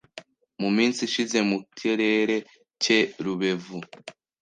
Mu minsi ishize, mu Kerere ke Rubevu